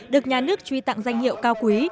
được nhà nước truy tặng danh hiệu cao quý